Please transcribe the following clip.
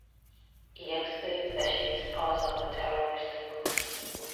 He explains that she is part of a terrorist group.